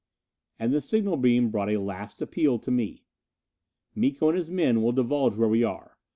_" And the signal beam brought a last appeal to me: "_Miko and his men will divulge where we are.